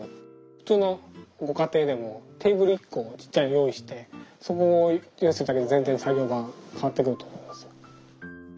普通のご家庭でもテーブル１個用意してそこを用意するだけで全然作業が変わってくると思いますよ。